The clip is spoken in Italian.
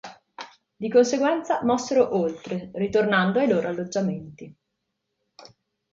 Di conseguenza mossero oltre, ritornando ai loro alloggiamenti.